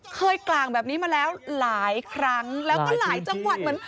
กลางแบบนี้มาแล้วหลายครั้งแล้วก็หลายจังหวัดเหมือน